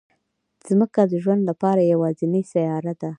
ځمکه د ژوند لپاره یوازینی سیاره ده